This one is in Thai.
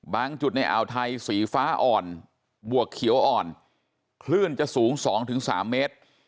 จุดในอ่าวไทยสีฟ้าอ่อนบวกเขียวอ่อนคลื่นจะสูง๒๓เมตร